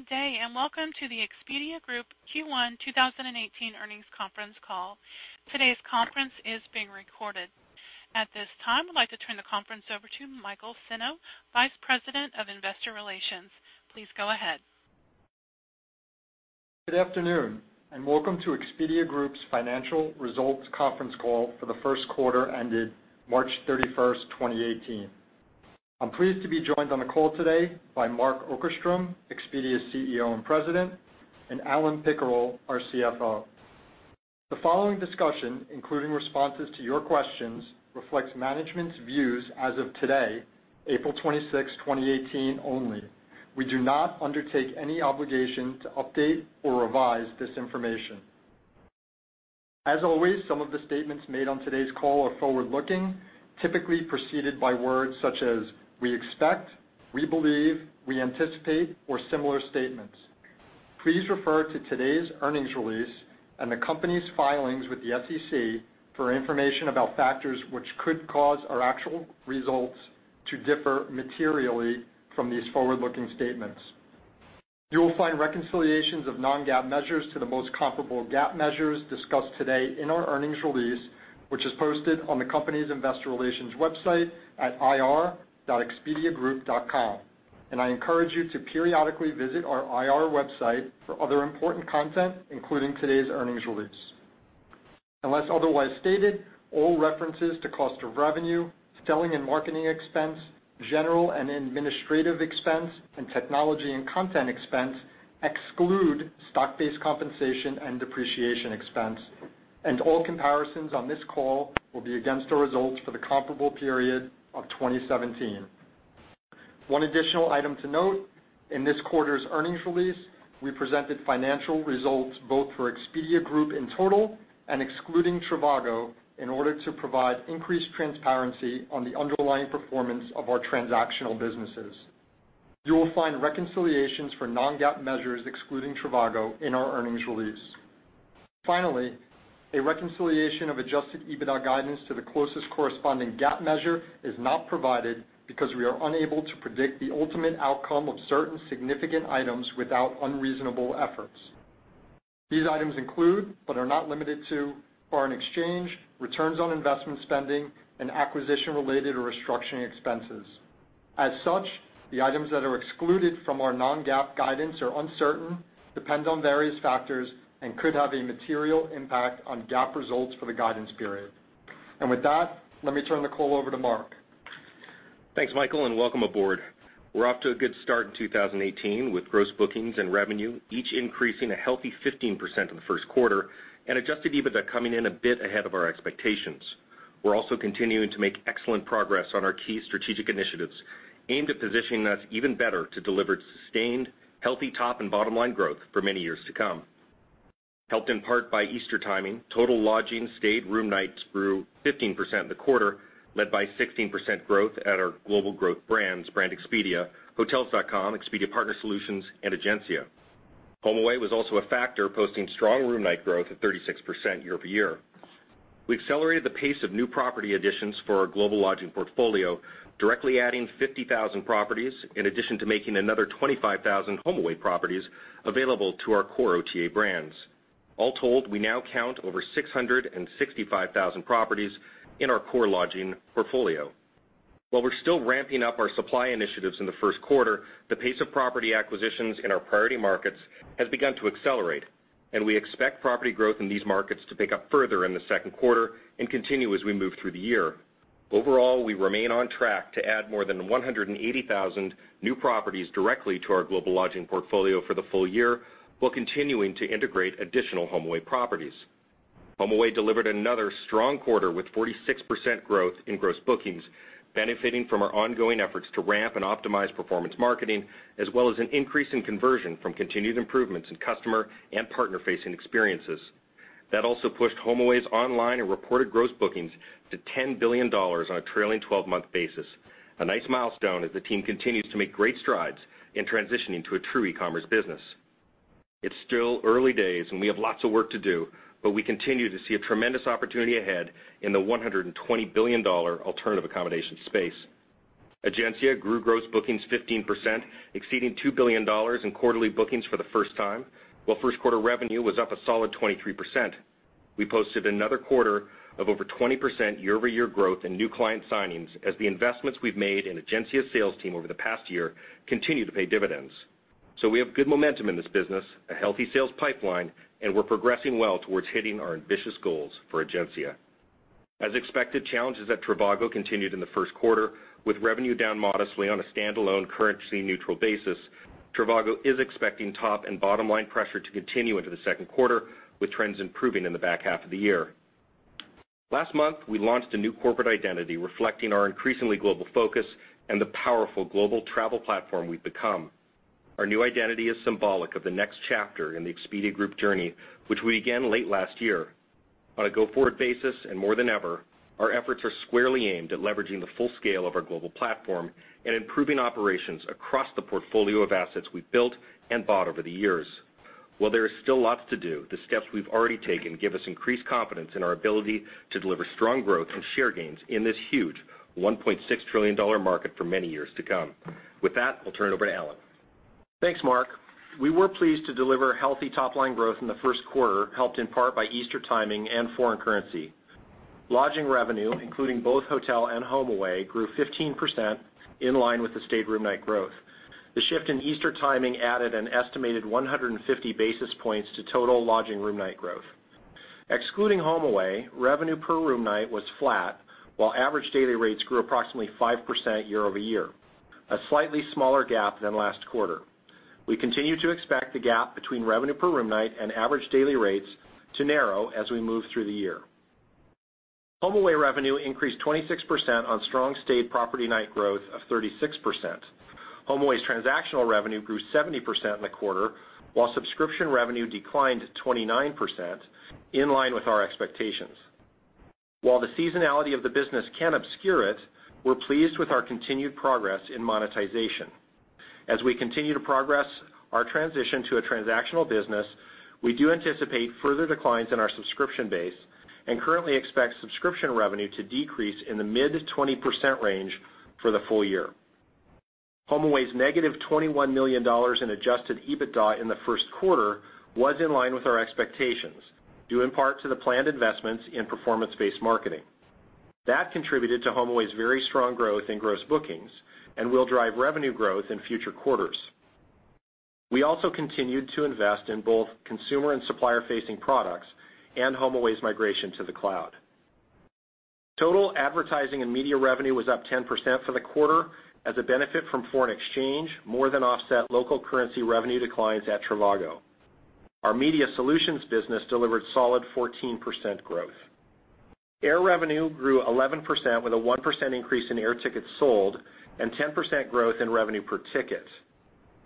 Good day. Welcome to the Expedia Group Q1 2018 earnings conference call. Today's conference is being recorded. At this time, I'd like to turn the conference over to Michael Senno, Vice President of Investor Relations. Please go ahead. Good afternoon. Welcome to Expedia Group's Financial Results Conference Call for the first quarter ended March 31, 2018. I'm pleased to be joined on the call today by Mark Okerstrom, Expedia's CEO and President, and Alan Pickerill, our CFO. The following discussion, including responses to your questions, reflects management's views as of today, April 26, 2018 only. We do not undertake any obligation to update or revise this information. As always, some of the statements made on today's call are forward-looking, typically preceded by words such as "we expect," "we believe," "we anticipate," or similar statements. Please refer to today's earnings release and the company's filings with the SEC for information about factors which could cause our actual results to differ materially from these forward-looking statements. You will find reconciliations of non-GAAP measures to the most comparable GAAP measures discussed today in our earnings release, which is posted on the company's investor relations website at ir.expediagroup.com. I encourage you to periodically visit our IR website for other important content, including today's earnings release. Unless otherwise stated, all references to cost of revenue, selling and marketing expense, general and administrative expense, and technology and content expense exclude stock-based compensation and depreciation expense, and all comparisons on this call will be against our results for the comparable period of 2017. One additional item to note, in this quarter's earnings release, we presented financial results both for Expedia Group in total and excluding Trivago in order to provide increased transparency on the underlying performance of our transactional businesses. You will find reconciliations for non-GAAP measures excluding Trivago in our earnings release. Finally, a reconciliation of adjusted EBITDA guidance to the closest corresponding GAAP measure is not provided because we are unable to predict the ultimate outcome of certain significant items without unreasonable efforts. These items include, but are not limited to, foreign exchange, returns on investment spending, and acquisition-related or restructuring expenses. As such, the items that are excluded from our non-GAAP guidance are uncertain, depend on various factors, and could have a material impact on GAAP results for the guidance period. With that, let me turn the call over to Mark. Thanks, Michael, and welcome aboard. We're off to a good start in 2018 with gross bookings and revenue each increasing a healthy 15% in the first quarter and adjusted EBITDA coming in a bit ahead of our expectations. We're also continuing to make excellent progress on our key strategic initiatives aimed at positioning us even better to deliver sustained, healthy top and bottom-line growth for many years to come. Helped in part by Easter timing, total lodging stayed room nights grew 15% in the quarter, led by 16% growth at our global growth brands, Brand Expedia, Hotels.com, Expedia Partner Solutions, and Egencia. HomeAway was also a factor, posting strong room night growth of 36% year-over-year. We accelerated the pace of new property additions for our global lodging portfolio, directly adding 50,000 properties, in addition to making another 25,000 HomeAway properties available to our core OTA brands. All told, we now count over 665,000 properties in our core lodging portfolio. While we're still ramping up our supply initiatives in the first quarter, the pace of property acquisitions in our priority markets has begun to accelerate, and we expect property growth in these markets to pick up further in the second quarter and continue as we move through the year. Overall, we remain on track to add more than 180,000 new properties directly to our global lodging portfolio for the full year, while continuing to integrate additional HomeAway properties. HomeAway delivered another strong quarter with 46% growth in gross bookings, benefiting from our ongoing efforts to ramp and optimize performance marketing, as well as an increase in conversion from continued improvements in customer and partner-facing experiences. That also pushed HomeAway's online and reported gross bookings to $10 billion on a trailing 12-month basis. A nice milestone as the team continues to make great strides in transitioning to a true e-commerce business. It's still early days, and we have lots of work to do, but we continue to see a tremendous opportunity ahead in the $120 billion alternative accommodation space. Egencia grew gross bookings 15%, exceeding $2 billion in quarterly bookings for the first time, while first quarter revenue was up a solid 23%. We posted another quarter of over 20% year-over-year growth in new client signings as the investments we've made in Egencia's sales team over the past year continue to pay dividends. We have good momentum in this business, a healthy sales pipeline, and we're progressing well towards hitting our ambitious goals for Egencia. As expected, challenges at Trivago continued in the first quarter, with revenue down modestly on a standalone currency neutral basis. Trivago is expecting top and bottom-line pressure to continue into the second quarter, with trends improving in the back half of the year. Last month, we launched a new corporate identity reflecting our increasingly global focus and the powerful global travel platform we've become. Our new identity is symbolic of the next chapter in the Expedia Group journey, which we began late last year. On a go-forward basis and more than ever, our efforts are squarely aimed at leveraging the full scale of our global platform and improving operations across the portfolio of assets we've built and bought over the years. While there is still lots to do, the steps we've already taken give us increased confidence in our ability to deliver strong growth and share gains in this huge $1.6 trillion market for many years to come. With that, I'll turn it over to Alan. Thanks, Mark. We were pleased to deliver healthy top-line growth in the first quarter, helped in part by Easter timing and foreign currency. Lodging revenue, including both hotel and HomeAway, grew 15%, in line with the stayed room night growth. The shift in Easter timing added an estimated 150 basis points to total lodging room night growth. Excluding HomeAway, revenue per room night was flat, while average daily rates grew approximately 5% year-over-year, a slightly smaller gap than last quarter. We continue to expect the gap between revenue per room night and average daily rates to narrow as we move through the year. HomeAway revenue increased 26% on strong stayed property night growth of 36%. HomeAway's transactional revenue grew 70% in the quarter, while subscription revenue declined 29%, in line with our expectations. While the seasonality of the business can obscure it, we're pleased with our continued progress in monetization. As we continue to progress our transition to a transactional business, we do anticipate further declines in our subscription base, and currently expect subscription revenue to decrease in the mid-20% range for the full year. HomeAway's negative $21 million in adjusted EBITDA in the first quarter was in line with our expectations, due in part to the planned investments in performance-based marketing. That contributed to HomeAway's very strong growth in gross bookings and will drive revenue growth in future quarters. We also continued to invest in both consumer and supplier-facing products and HomeAway's migration to the cloud. Total advertising and media revenue was up 10% for the quarter as a benefit from foreign exchange more than offset local currency revenue declines at Trivago. Our media solutions business delivered solid 14% growth. Air revenue grew 11% with a 1% increase in air tickets sold and 10% growth in revenue per ticket.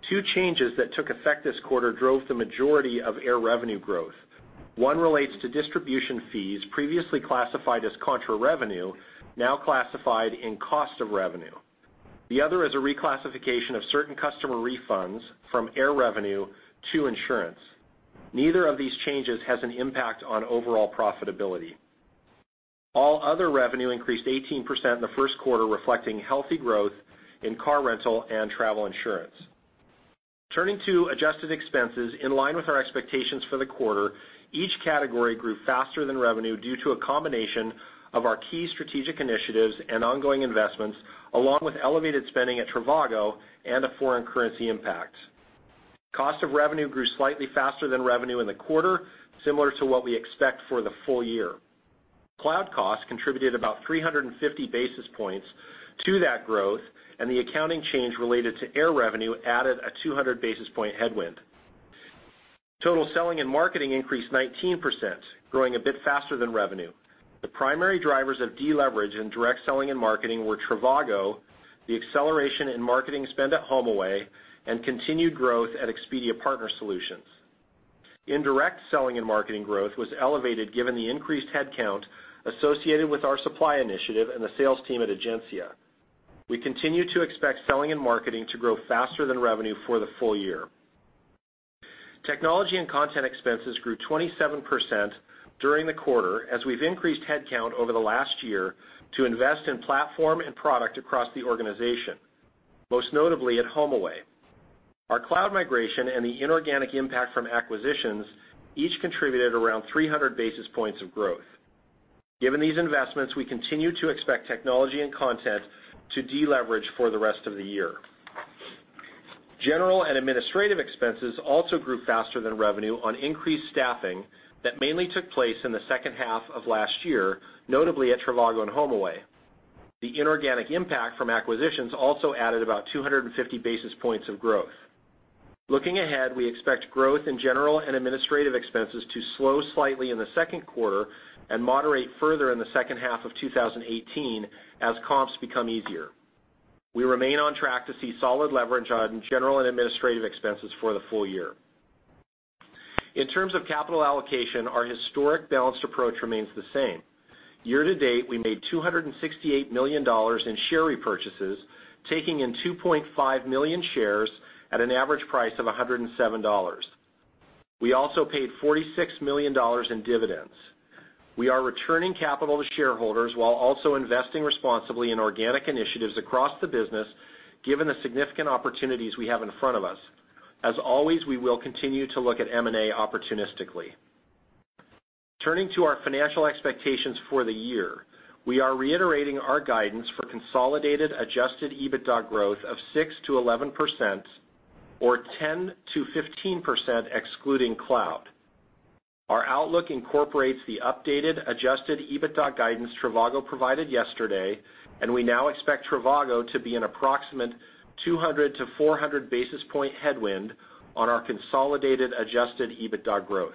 Two changes that took effect this quarter drove the majority of air revenue growth. One relates to distribution fees previously classified as contra revenue, now classified in cost of revenue. The other is a reclassification of certain customer refunds from air revenue to insurance. Neither of these changes has an impact on overall profitability. All other revenue increased 18% in the first quarter, reflecting healthy growth in car rental and travel insurance. Turning to adjusted expenses, in line with our expectations for the quarter, each category grew faster than revenue due to a combination of our key strategic initiatives and ongoing investments, along with elevated spending at Trivago and a foreign currency impact. Cost of revenue grew slightly faster than revenue in the quarter, similar to what we expect for the full year. Cloud costs contributed about 350 basis points to that growth, and the accounting change related to air revenue added a 200 basis point headwind. Total selling and marketing increased 19%, growing a bit faster than revenue. The primary drivers of deleverage in direct selling and marketing were Trivago, the acceleration in marketing spend at HomeAway, and continued growth at Expedia Partner Solutions. Indirect selling and marketing growth was elevated given the increased headcount associated with our supply initiative and the sales team at Egencia. We continue to expect selling and marketing to grow faster than revenue for the full year. Technology and content expenses grew 27% during the quarter as we've increased headcount over the last year to invest in platform and product across the organization, most notably at HomeAway. Our cloud migration and the inorganic impact from acquisitions each contributed around 300 basis points of growth. Given these investments, we continue to expect technology and content to deleverage for the rest of the year. General and administrative expenses also grew faster than revenue on increased staffing that mainly took place in the second half of last year, notably at Trivago and HomeAway. The inorganic impact from acquisitions also added about 250 basis points of growth. Looking ahead, we expect growth in general and administrative expenses to slow slightly in the second quarter and moderate further in the second half of 2018 as comps become easier. We remain on track to see solid leverage on general and administrative expenses for the full year. In terms of capital allocation, our historic balanced approach remains the same. Year to date, we made $268 million in share repurchases, taking in 2.5 million shares at an average price of $107. We also paid $46 million in dividends. We are returning capital to shareholders while also investing responsibly in organic initiatives across the business, given the significant opportunities we have in front of us. As always, we will continue to look at M&A opportunistically. Turning to our financial expectations for the year. We are reiterating our guidance for consolidated adjusted EBITDA growth of 6%-11%, or 10%-15% excluding cloud. Our outlook incorporates the updated adjusted EBITDA guidance Trivago provided yesterday, and we now expect Trivago to be an approximate 200 to 400 basis point headwind on our consolidated adjusted EBITDA growth.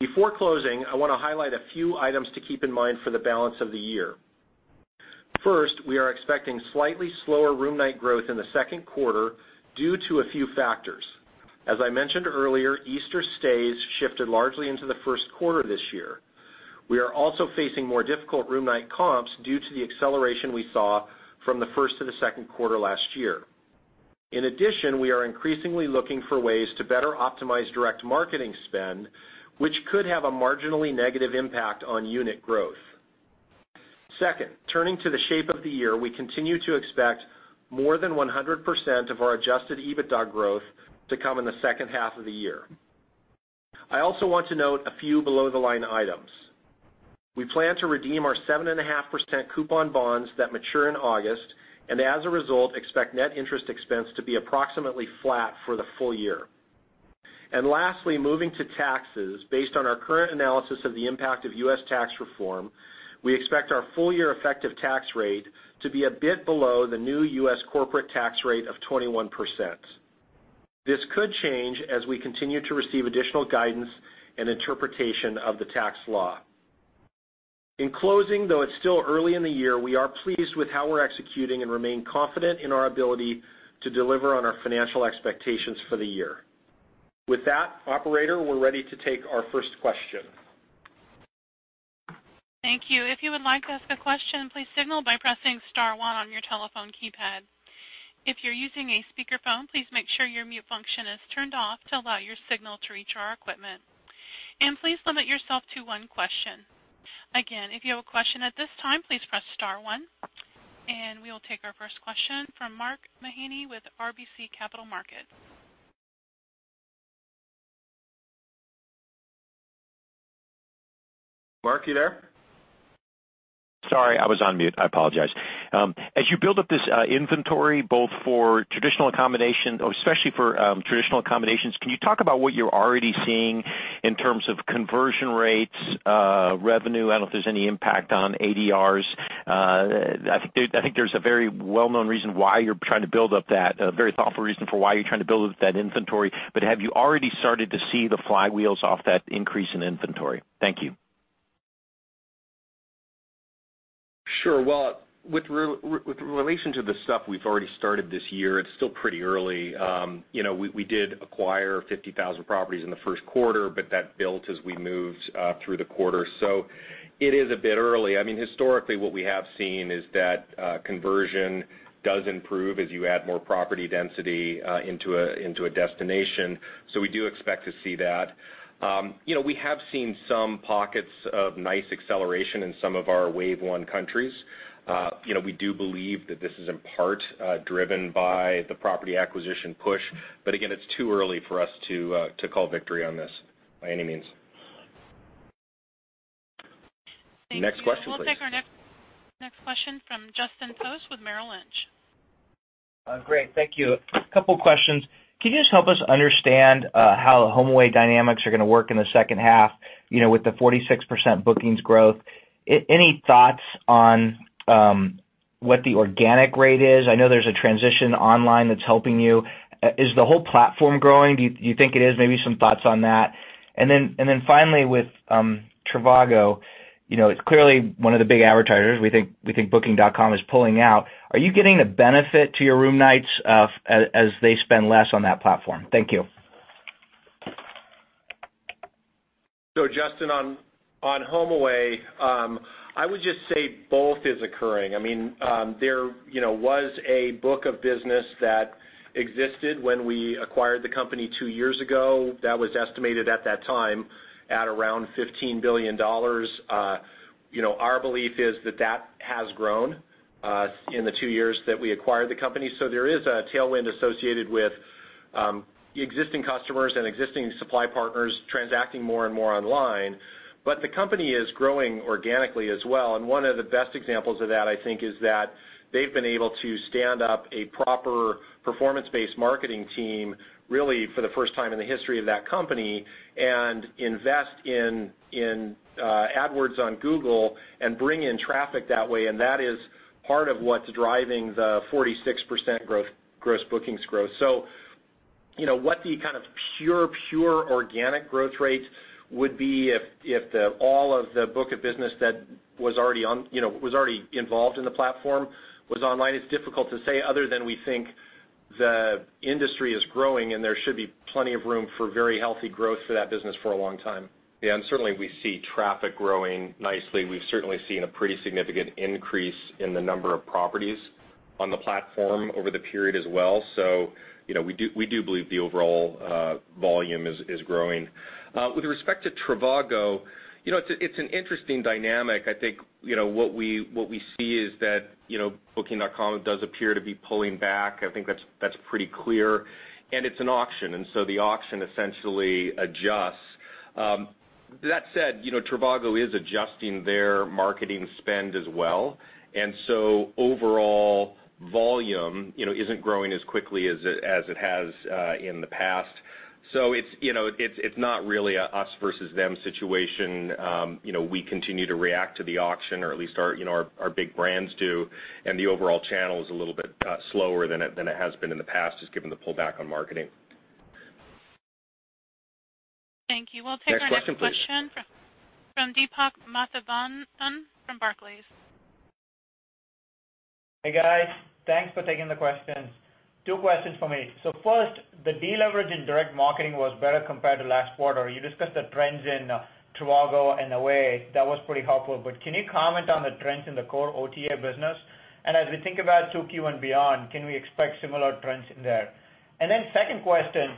Before closing, I want to highlight a few items to keep in mind for the balance of the year. First, we are expecting slightly slower room night growth in the second quarter due to a few factors. As I mentioned earlier, Easter stays shifted largely into the first quarter this year. We are also facing more difficult room night comps due to the acceleration we saw from the first to the second quarter last year. In addition, we are increasingly looking for ways to better optimize direct marketing spend, which could have a marginally negative impact on unit growth. Second, turning to the shape of the year, we continue to expect more than 100% of our adjusted EBITDA growth to come in the second half of the year. I also want to note a few below-the-line items. We plan to redeem our 7.5% coupon bonds that mature in August, and as a result, expect net interest expense to be approximately flat for the full year. Lastly, moving to taxes, based on our current analysis of the impact of U.S. tax reform, we expect our full-year effective tax rate to be a bit below the new U.S. corporate tax rate of 21%. This could change as we continue to receive additional guidance and interpretation of the tax law. In closing, though it's still early in the year, we are pleased with how we're executing and remain confident in our ability to deliver on our financial expectations for the year. With that, operator, we're ready to take our first question. Thank you. If you would like to ask a question, please signal by pressing *1 on your telephone keypad. If you're using a speakerphone, please make sure your mute function is turned off to allow your signal to reach our equipment. Please limit yourself to one question. Again, if you have a question at this time, please press *1. We will take our first question from Mark Mahaney with RBC Capital Markets. Mark, you there? Sorry, I was on mute. I apologize. As you build up this inventory, both for traditional accommodation or especially for traditional accommodations, can you talk about what you're already seeing in terms of conversion rates, revenue? I don't know if there's any impact on ADRs. I think there's a very well-known reason why you're trying to build up that, a very thoughtful reason for why you're trying to build up that inventory. Have you already started to see the flywheels off that increase in inventory? Thank you. Sure. Well, with relation to the stuff we've already started this year, it's still pretty early. We did acquire 50,000 properties in the first quarter, that built as we moved through the quarter. It is a bit early. Historically, what we have seen is that conversion does improve as you add more property density into a destination. We do expect to see that. We have seen some pockets of nice acceleration in some of our wave-one countries. We do believe that this is in part driven by the property acquisition push. Again, it's too early for us to call victory on this, by any means. Thank you. Next question, please. We'll take our next question from Justin Post with Merrill Lynch. Great. Thank you. A couple questions. Can you just help us understand how HomeAway dynamics are going to work in the second half with the 46% bookings growth? Any thoughts on what the organic rate is? I know there's a transition online that's helping you. Is the whole platform growing? Do you think it is? Maybe some thoughts on that. Then finally with Trivago, it's clearly one of the big advertisers. We think Booking.com is pulling out. Are you getting the benefit to your room nights as they spend less on that platform? Thank you. Justin, on HomeAway, I would just say both is occurring. There was a book of business that existed when we acquired the company two years ago. That was estimated at that time at around $15 billion. Our belief is that that has grown in the two years that we acquired the company. There is a tailwind associated with existing customers and existing supply partners transacting more and more online. The company is growing organically as well, and one of the best examples of that, I think, is that they've been able to stand up a proper performance-based marketing team, really for the first time in the history of that company, and invest in AdWords on Google and bring in traffic that way, and that is part of what's driving the 46% gross bookings growth. What the kind of pure organic growth rate would be if all of the book of business that was already involved in the platform was online, it's difficult to say other than we think the industry is growing, and there should be plenty of room for very healthy growth for that business for a long time. Certainly, we see traffic growing nicely. We've certainly seen a pretty significant increase in the number of properties on the platform over the period as well. We do believe the overall volume is growing. With respect to Trivago, it's an interesting dynamic. I think what we see is that Booking.com does appear to be pulling back. I think that's pretty clear. It's an auction, the auction essentially adjusts. That said, Trivago is adjusting their marketing spend as well. Overall volume isn't growing as quickly as it has in the past. It's not really an us versus them situation. We continue to react to the auction, or at least our big brands do, and the overall channel is a little bit slower than it has been in the past, just given the pullback on marketing. Thank you. We'll take our next question from Deepak Mathivanan from Barclays. Hey, guys. Thanks for taking the questions. Two questions from me. First, the deleverage in direct marketing was better compared to last quarter. You discussed the trends in Trivago and HomeAway. That was pretty helpful. Can you comment on the trends in the core OTA business? As we think about 2Q and beyond, can we expect similar trends there? Second question,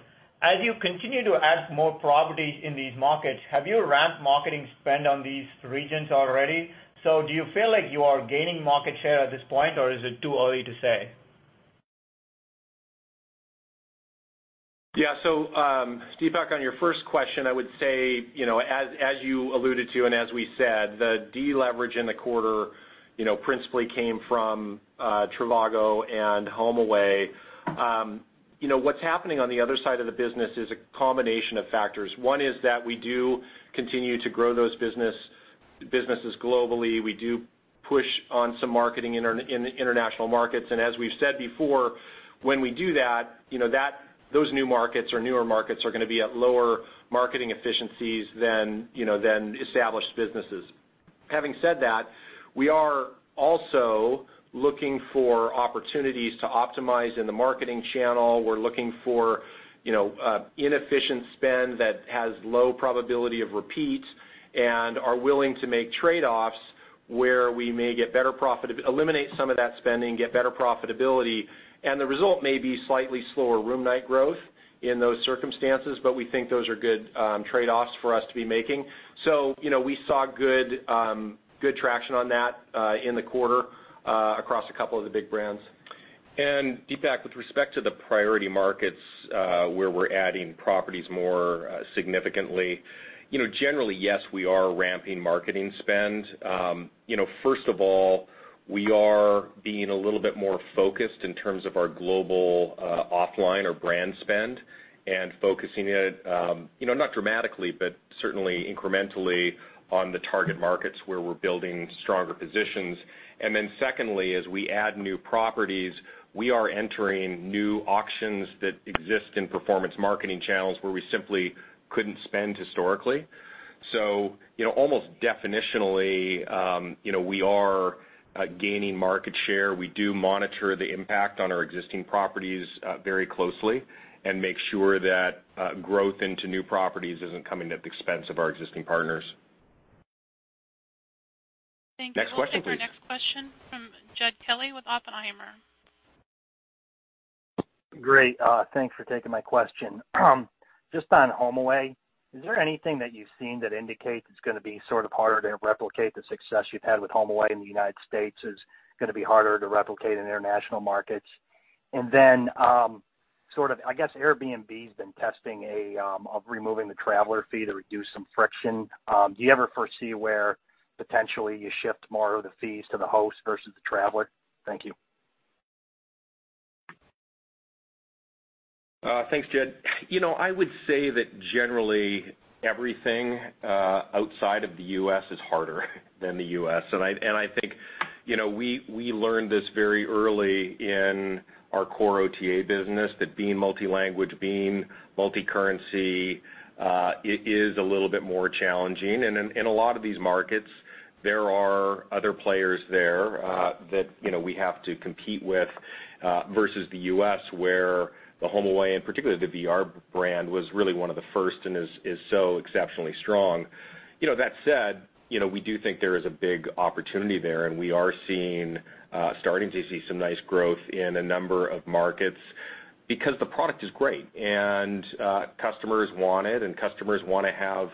as you continue to add more properties in these markets, have you ramped marketing spend on these regions already? Do you feel like you are gaining market share at this point, or is it too early to say? Yeah. Deepak, on your first question, I would say, as you alluded to and as we said, the deleverage in the quarter principally came from Trivago and HomeAway. What's happening on the other side of the business is a combination of factors. One is that we do continue to grow those businesses globally. We do push on some marketing in the international markets, and as we've said before, when we do that, those new markets or newer markets are going to be at lower marketing efficiencies than established businesses. Having said that, we are also looking for opportunities to optimize in the marketing channel. We're looking for inefficient spend that has low probability of repeat and are willing to make trade-offs where we may eliminate some of that spending, get better profitability, and the result may be slightly slower room night growth in those circumstances. We think those are good trade-offs for us to be making. We saw good traction on that in the quarter across a couple of the big brands. Deepak, with respect to the priority markets, where we're adding properties more significantly. Generally, yes, we are ramping marketing spend. First of all, we are being a little bit more focused in terms of our global offline or brand spend and focusing it, not dramatically, but certainly incrementally on the target markets where we're building stronger positions. Secondly, as we add new properties, we are entering new auctions that exist in performance marketing channels where we simply couldn't spend historically. Almost definitionally, we are gaining market share. We do monitor the impact on our existing properties very closely and make sure that growth into new properties isn't coming at the expense of our existing partners. Thank you. Next question, please. We'll take our next question from Jed Kelly with Oppenheimer. Great. Thanks for taking my question. Just on HomeAway, is there anything that you've seen that indicates it's going to be harder to replicate the success you've had with HomeAway in the U.S.? Is it going to be harder to replicate in international markets? Then, I guess Airbnb's been testing of removing the traveler fee to reduce some friction. Do you ever foresee where potentially you shift more of the fees to the host versus the traveler? Thank you. Thanks, Jed. I would say that generally, everything outside of the U.S. is harder than the U.S. I think we learned this very early in our core OTA business that being multi-language, being multi-currency, is a little bit more challenging. In a lot of these markets, there are other players there that we have to compete with, versus the U.S., where the HomeAway, and particularly the Vrbo brand, was really one of the first and is so exceptionally strong. That said, we do think there is a big opportunity there, we are starting to see some nice growth in a number of markets because the product is great and customers want it, customers want to have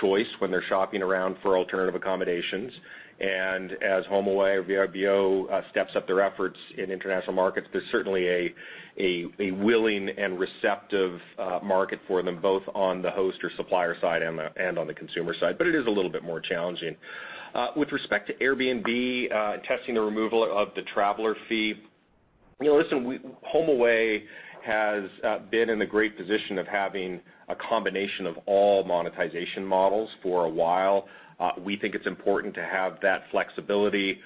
choice when they're shopping around for alternative accommodations. As HomeAway or Vrbo steps up their efforts in international markets, there's certainly a willing and receptive market for them, both on the host or supplier side and on the consumer side. It is a little bit more challenging. With respect to Airbnb testing the removal of the traveler fee. HomeAway has been in the great position of having a combination of all monetization models for a while. We think it's important to have that flexibility.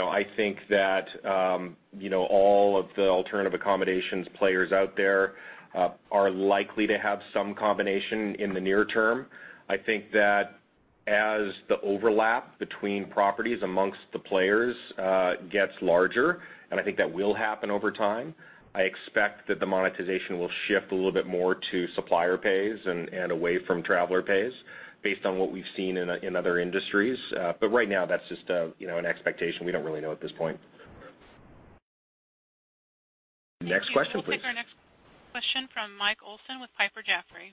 I think that all of the alternative accommodations players out there are likely to have some combination in the near term. I think that as the overlap between properties amongst the players gets larger, and I think that will happen over time, I expect that the monetization will shift a little bit more to supplier pays and away from traveler pays based on what we've seen in other industries. Right now, that's just an expectation. We don't really know at this point. Next question, please. We'll take our next question from Michael Olson with Piper Jaffray.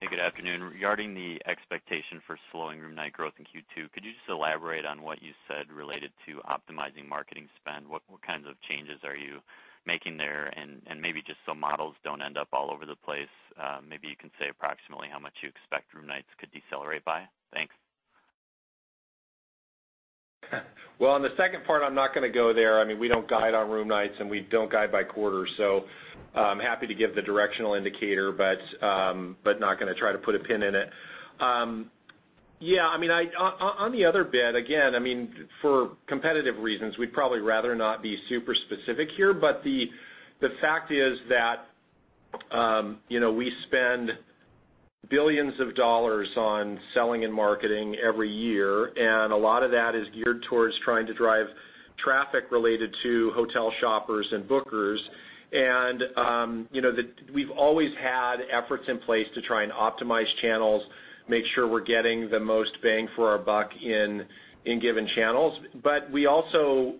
Hey, good afternoon. Regarding the expectation for slowing room night growth in Q2, could you just elaborate on what you said related to optimizing marketing spend? What kinds of changes are you making there? Maybe just so models don't end up all over the place, maybe you can say approximately how much you expect room nights could decelerate by. Thanks. I'm not going to go there. We don't guide on room nights, and we don't guide by quarter, so I'm happy to give the directional indicator, but not going to try to put a pin in it. On the other bit, again, for competitive reasons, we'd probably rather not be super specific here, but the fact is that we spend billions of dollars on selling and marketing every year, and a lot of that is geared towards trying to drive traffic related to hotel shoppers and bookers. We've always had efforts in place to try and optimize channels, make sure we're getting the most bang for our buck in given channels. We also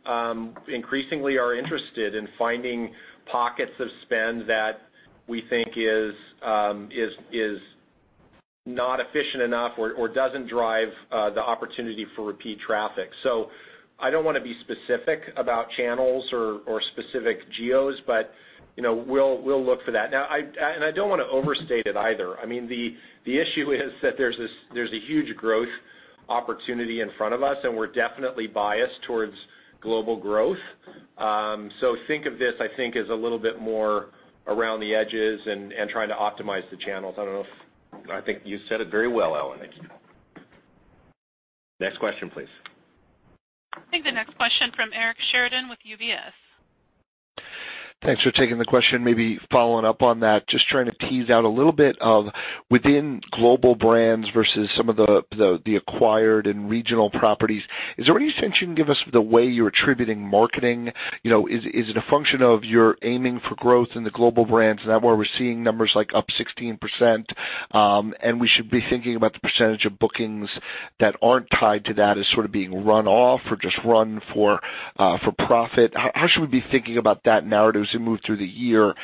increasingly are interested in finding pockets of spend that we think is not efficient enough or doesn't drive the opportunity for repeat traffic. I don't want to be specific about channels or specific geos, but we'll look for that. Now, I don't want to overstate it either. The issue is that there's a huge growth opportunity in front of us, and we're definitely biased towards global growth. Think of this, I think, as a little bit more around the edges and trying to optimize the channels. I don't know if I think you said it very well, Alan. Thank you. Next question, please. I think the next question from Eric Sheridan with UBS. Thanks for taking the question. Maybe following up on that, just trying to tease out a little bit of within global brands versus some of the acquired and regional properties, is there any sense you can give us the way you're attributing marketing? Is it a function of your aiming for growth in the global brands, and that where we're seeing numbers like up 16%, and we should be thinking about the percentage of bookings that aren't tied to that as sort of being run off or just run for profit? How should we be thinking about that narrative as we move through the year?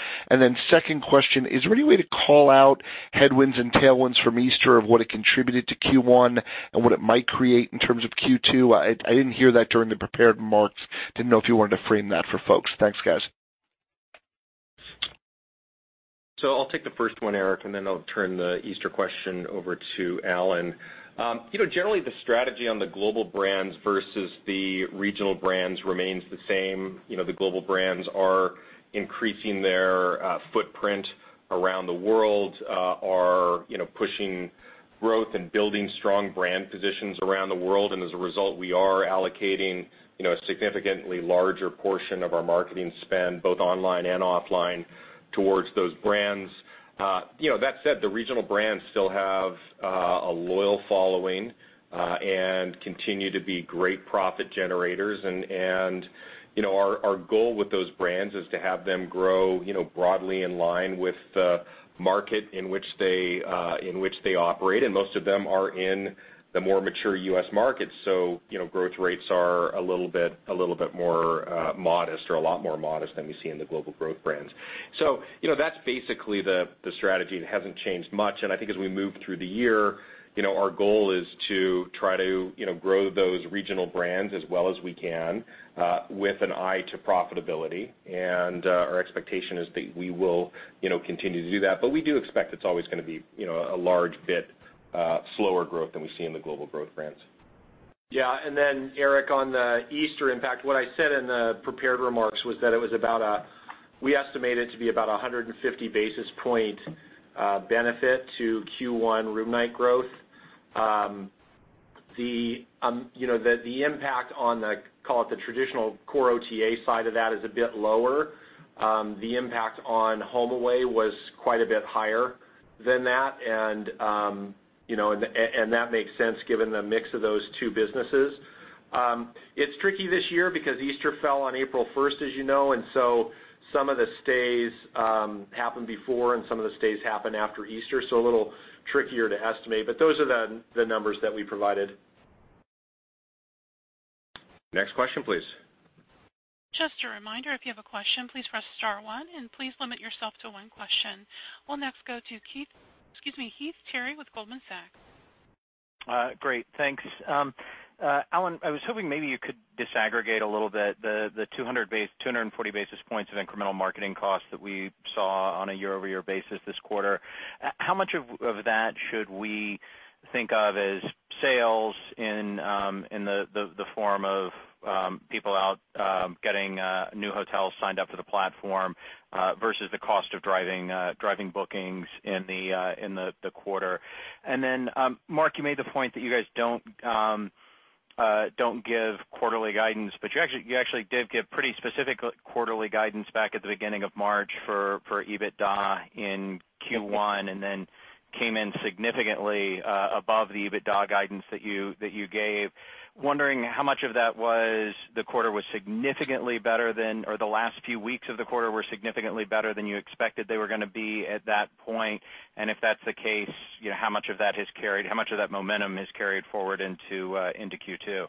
Second question, is there any way to call out headwinds and tailwinds from Easter of what it contributed to Q1 and what it might create in terms of Q2? I didn't hear that during the prepared remarks. Didn't know if you wanted to frame that for folks. Thanks, guys. I'll take the first one, Eric, then I'll turn the Easter question over to Alan. Generally, the strategy on the global brands versus the regional brands remains the same. The global brands are increasing their footprint around the world, are pushing growth and building strong brand positions around the world. As a result, we are allocating a significantly larger portion of our marketing spend, both online and offline, towards those brands. That said, the regional brands still have a loyal following and continue to be great profit generators, our goal with those brands is to have them grow broadly in line with the market in which they operate, most of them are in the more mature U.S. market. Growth rates are a little bit more modest or a lot more modest than we see in the global growth brands. That's basically the strategy. It hasn't changed much. I think as we move through the year, our goal is to try to grow those regional brands as well as we can with an eye to profitability. Our expectation is that we will continue to do that. We do expect it's always going to be a large bit slower growth than we see in the global growth brands. Yeah. Eric, on the Easter impact, what I said in the prepared remarks was that we estimate it to be about 150 basis point benefit to Q1 room night growth. The impact on the, call it the traditional core OTA side of that is a bit lower. The impact on HomeAway was quite a bit higher than that makes sense given the mix of those two businesses. It's tricky this year because Easter fell on April 1st, as you know, some of the stays happened before and some of the stays happened after Easter, a little trickier to estimate, those are the numbers that we provided. Next question, please. Just a reminder, if you have a question, please press star one and please limit yourself to one question. We will next go to Heath Terry with Goldman Sachs. Great. Thanks. Alan, I was hoping maybe you could disaggregate a little bit the 240 basis points of incremental marketing costs that we saw on a year-over-year basis this quarter. How much of that should we think of as sales in the form of people out getting new hotels signed up for the platform versus the cost of driving bookings in the quarter? Mark, you made the point that you guys don't give quarterly guidance, but you actually did give pretty specific quarterly guidance back at the beginning of March for EBITDA in Q1 and then came in significantly above the EBITDA guidance that you gave. I was wondering how much of that was the quarter was significantly better than, or the last few weeks of the quarter were significantly better than you expected they were going to be at that point. If that's the case, how much of that momentum has carried forward into Q2?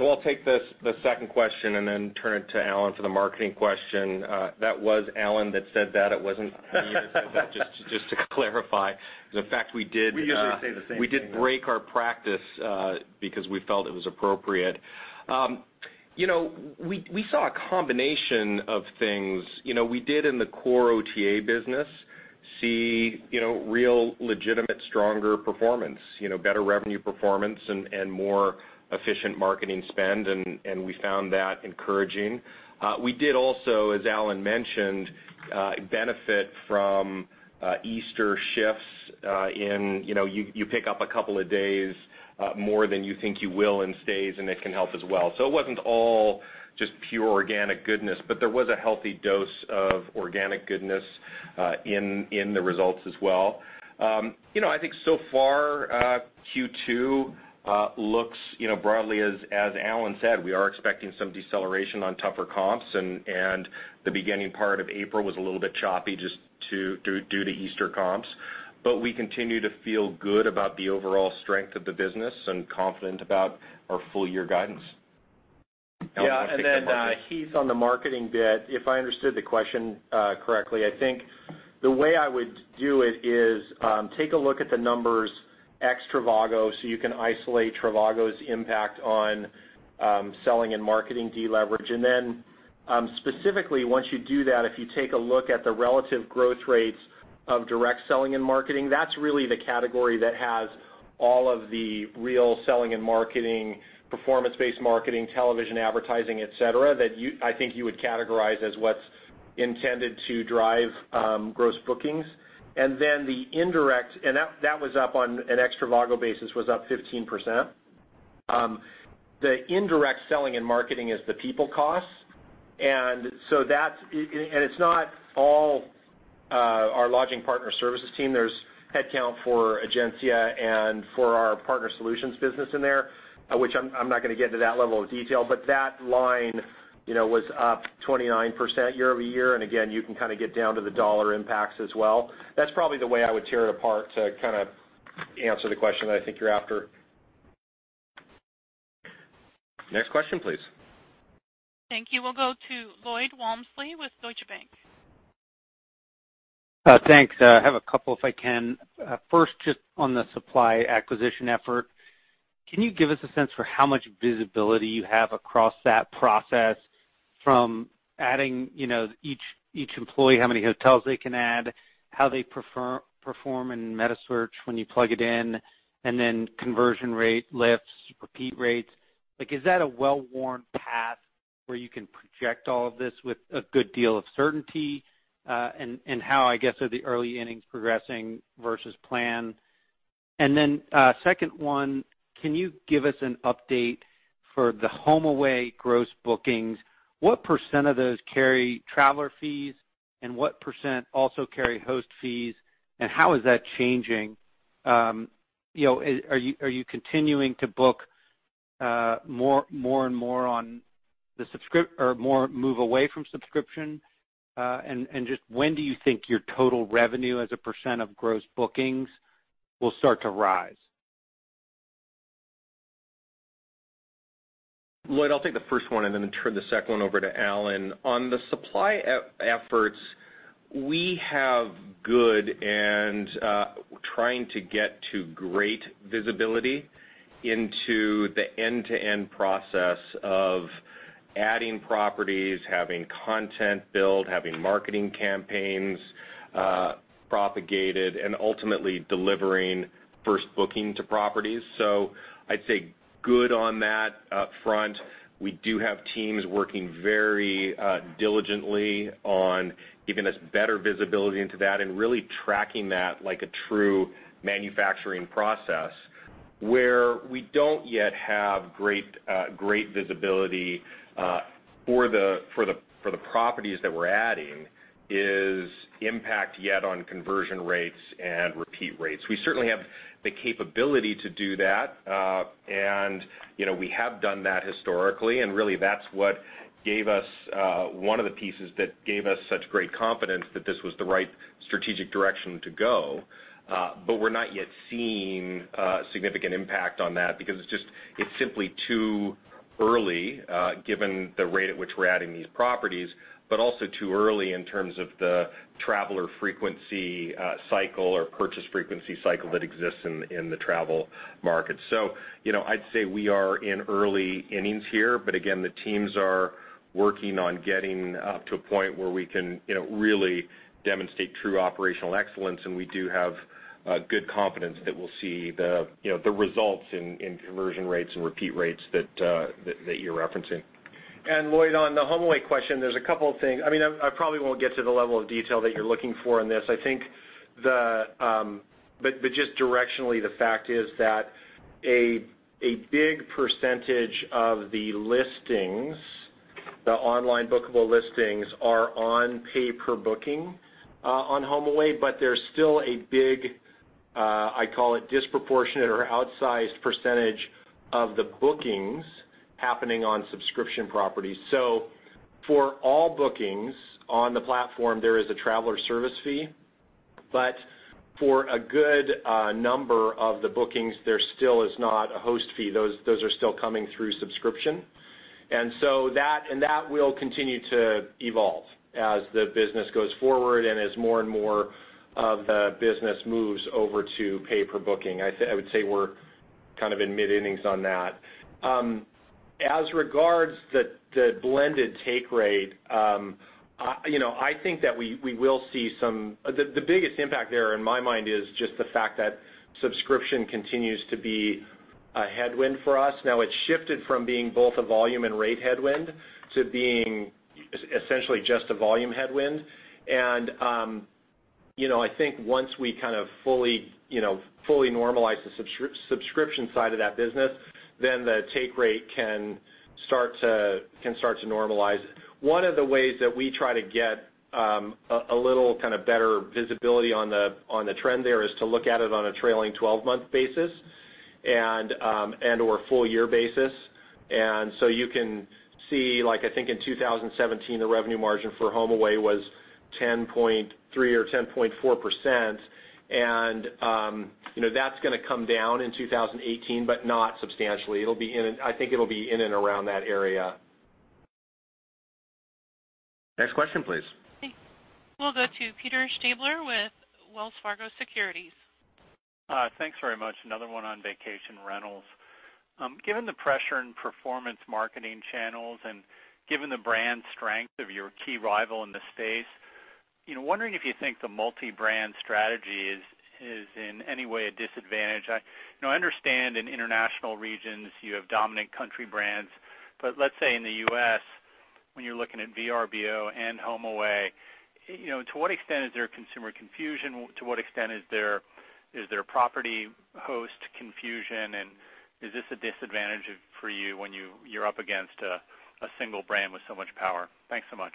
I'll take the second question and then turn it to Alan for the marketing question. That was Alan that said that, it wasn't me that said that, just to clarify. In fact, we did We usually say the same thing We did break our practice because we felt it was appropriate. We saw a combination of things. We did in the core OTA business see real legitimate, stronger performance, better revenue performance and more efficient marketing spend, and we found that encouraging. We did also, as Alan mentioned, benefit from Easter shifts in, you pick up a couple of days more than you think you will in stays, and it can help as well. It wasn't all just pure organic goodness, but there was a healthy dose of organic goodness in the results as well. I think so far, Q2 looks broadly as Alan said, we are expecting some deceleration on tougher comps, and the beginning part of April was a little bit choppy just due to Easter comps. We continue to feel good about the overall strength of the business and confident about our full year guidance. Heath, on the marketing bit, if I understood the question correctly, I think the way I would do it is take a look at the numbers ex Trivago, so you can isolate Trivago's impact on selling and marketing deleverage. Specifically, once you do that, if you take a look at the relative growth rates of direct selling and marketing, that's really the category that has all of the real selling and marketing, performance-based marketing, television advertising, et cetera, that I think you would categorize as what's intended to drive gross bookings. That was, on an ex Trivago basis, was up 15%. The indirect selling and marketing is the people costs. It's not all our lodging partner services team. There's headcount for Egencia and for our partner solutions business in there, which I'm not going to get into that level of detail, but that line was up 29% year-over-year. Again, you can get down to the dollar impacts as well. That's probably the way I would tear it apart to answer the question that I think you're after. Next question, please. Thank you. We'll go to Lloyd Walmsley with Deutsche Bank. Thanks. I have a couple if I can. First, just on the supply acquisition effort, can you give us a sense for how much visibility you have across that process from adding each employee, how many hotels they can add, how they perform in meta search when you plug it in, and then conversion rate lifts, repeat rates? Is that a well-worn path where you can project all of this with a good deal of certainty? How, I guess, are the early innings progressing versus plan? Then, second one, can you give us an update for the HomeAway gross bookings? What % of those carry traveler fees, and what % also carry host fees, and how is that changing? Are you continuing to book more and more or more move away from subscription? Just when do you think your total revenue as a % of gross bookings will start to rise? Lloyd, I'll take the first one and then turn the second one over to Alan. On the supply efforts, we have good and trying to get to great visibility into the end-to-end process of adding properties, having content build, having marketing campaigns propagated, and ultimately delivering first booking to properties. I'd say good on that front. We do have teams working very diligently on giving us better visibility into that and really tracking that like a true manufacturing process. Where we don't yet have great visibility for the properties that we're adding is impact yet on conversion rates and repeat rates. We certainly have the capability to do that. We have done that historically, and really, that's one of the pieces that gave us such great confidence that this was the right strategic direction to go. We're not yet seeing a significant impact on that because it's simply too early, given the rate at which we're adding these properties, but also too early in terms of the traveler frequency cycle or purchase frequency cycle that exists in the travel market. I'd say we are in early innings here, but again, the teams are working on getting up to a point where we can really demonstrate true operational excellence, and we do have good confidence that we'll see the results in conversion rates and repeat rates that you're referencing. Lloyd, on the HomeAway question, there's a couple of things. I probably won't get to the level of detail that you're looking for on this. Just directionally, the fact is that a big % of the listings, the online bookable listings, are on pay per booking on HomeAway, but there's still a big, I call it disproportionate or outsized % of the bookings happening on subscription properties. For all bookings on the platform, there is a traveler service fee. For a good number of the bookings, there still is not a host fee. Those are still coming through subscription. That will continue to evolve as the business goes forward and as more and more of the business moves over to pay per booking. I would say we're in mid-innings on that. As regards the blended take rate, the biggest impact there in my mind is just the fact that subscription continues to be A headwind for us. Now it's shifted from being both a volume and rate headwind to being essentially just a volume headwind. I think once we kind of fully normalize the subscription side of that business, then the take rate can start to normalize. One of the ways that we try to get a little better visibility on the trend there is to look at it on a trailing 12-month basis and/or full-year basis. So you can see, I think in 2017, the revenue margin for HomeAway was 10.3 or 10.4%, and that's going to come down in 2018, but not substantially. I think it'll be in and around that area. Next question, please. Okay. We'll go to Peter Stabler with Wells Fargo Securities. Thanks very much. Another one on vacation rentals. Given the pressure in performance marketing channels and given the brand strength of your key rival in the space, wondering if you think the multi-brand strategy is in any way a disadvantage. I understand in international regions you have dominant country brands. Let's say in the U.S., when you're looking at Vrbo and HomeAway, to what extent is there consumer confusion? To what extent is there property host confusion? Is this a disadvantage for you when you're up against a single brand with so much power? Thanks so much.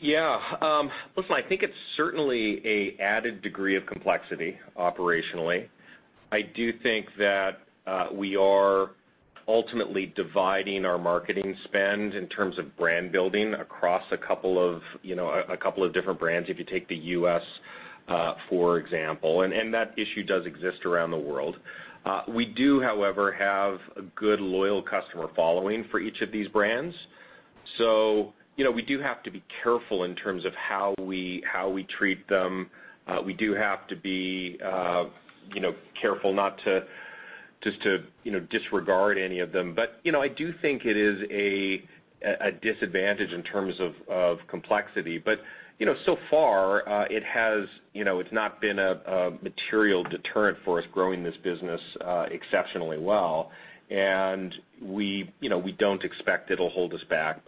Yeah. Listen, I think it's certainly an added degree of complexity operationally. I do think that we are ultimately dividing our marketing spend in terms of brand building across a couple of different brands, if you take the U.S., for example, and that issue does exist around the world. We do, however, have a good, loyal customer following for each of these brands. We do have to be careful in terms of how we treat them. We do have to be careful not to just disregard any of them. I do think it is a disadvantage in terms of complexity. So far it's not been a material deterrent for us growing this business exceptionally well, and we don't expect it'll hold us back.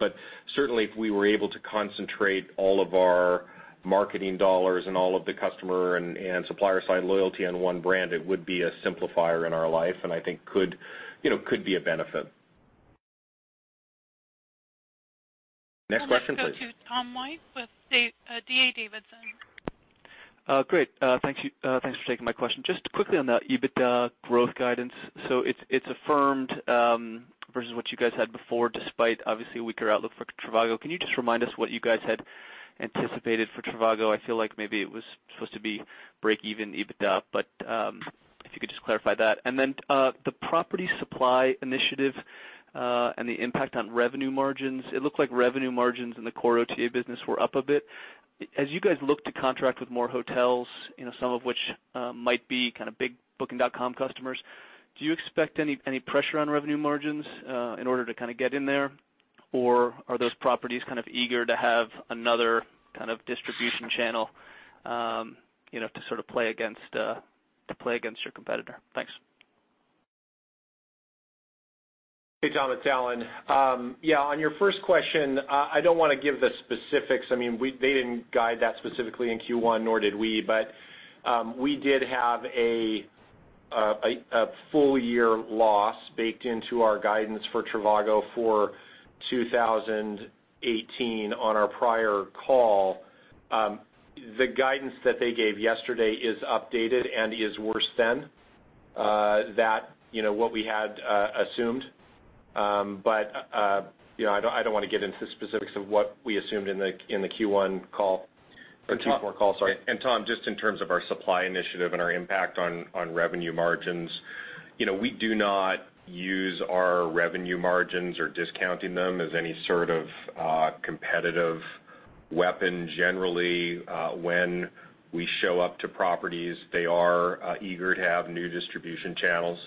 Certainly if we were able to concentrate all of our marketing dollars and all of the customer and supplier side loyalty on one brand, it would be a simplifier in our life, and I think could be a benefit. Next question, please. We'll next go to Tom White with D.A. Davidson. Great. Thanks for taking my question. Just quickly on the EBITDA growth guidance. It's affirmed, versus what you guys had before, despite obviously a weaker outlook for Trivago. Can you just remind us what you guys had anticipated for Trivago? I feel like maybe it was supposed to be break even EBITDA, but if you could just clarify that. Then, the property supply initiative, and the impact on revenue margins, it looked like revenue margins in the core OTA business were up a bit. As you guys look to contract with more hotels, some of which might be kind of big Booking.com customers, do you expect any pressure on revenue margins in order to kind of get in there? Are those properties kind of eager to have another kind of distribution channel to sort of play against your competitor? Thanks. Hey, Tom, it's Alan. On your first question, I don't want to give the specifics. They didn't guide that specifically in Q1, nor did we. We did have a full-year loss baked into our guidance for Trivago for 2018 on our prior call. The guidance that they gave yesterday is updated and is worse than what we had assumed. I don't want to get into the specifics of what we assumed in the Q1 call, or Q4 call, sorry. Tom, just in terms of our supply initiative and our impact on revenue margins, we do not use our revenue margins or discounting them as any sort of competitive weapon. Generally, when we show up to properties, they are eager to have new distribution channels.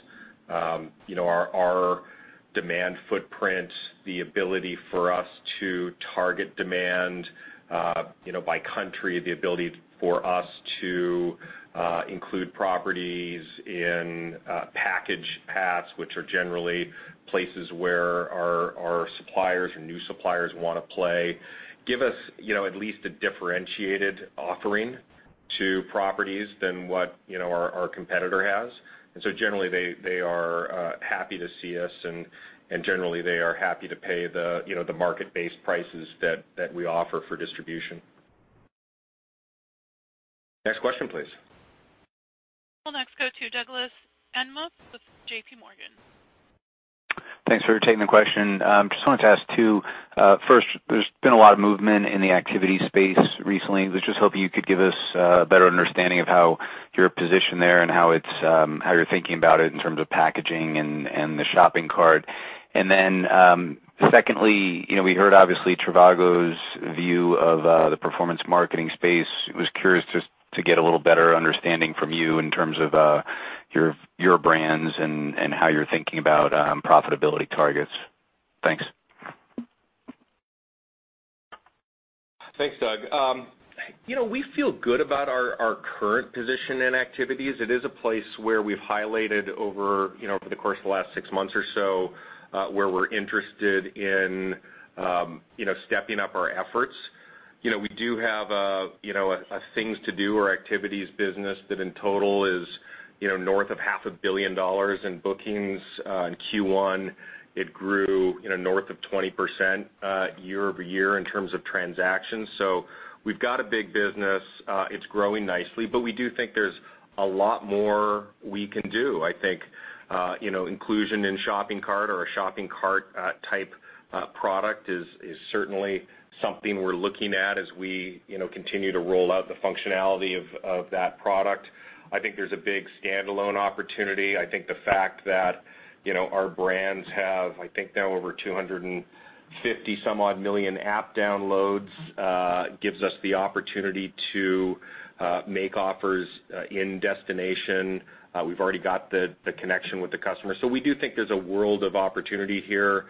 Our demand footprint, the ability for us to target demand by country, the ability for us to include properties in package paths, which are generally places where our suppliers or new suppliers want to play, give us at least a differentiated offering to properties than what our competitor has. Generally, they are happy to see us and generally they are happy to pay the market-based prices that we offer for distribution. Next question, please. We'll next go to Douglas Anmuth with J.P. Morgan. Thanks for taking the question. Just wanted to ask two. First, there's been a lot of movement in the activity space recently. Was just hoping you could give us a better understanding of how you're positioned there and how you're thinking about it in terms of packaging and the shopping cart. Secondly, we heard obviously Trivago's view of the performance marketing space. Was curious just to get a little better understanding from you in terms of your brands and how you're thinking about profitability targets. Thanks. Thanks, Doug. We feel good about our current position and activities. It is a place where we've highlighted over the course of the last six months or so, where we're interested in stepping up our efforts. We do have a things to do or activities business that in total is north of half a billion dollars in bookings. In Q1, it grew north of 20% year-over-year in terms of transactions. We've got a big business. It's growing nicely. We do think there's a lot more we can do. I think inclusion in shopping cart or a shopping cart type product is certainly something we're looking at as we continue to roll out the functionality of that product. I think there's a big standalone opportunity. I think the fact that our brands have, I think now over 250 some odd million app downloads, gives us the opportunity to make offers in destination. We've already got the connection with the customer. We do think there's a world of opportunity here.